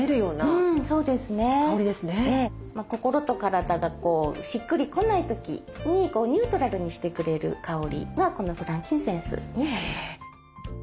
心と体がしっくり来ない時にニュートラルにしてくれる香りがこのフランキンセンスになります。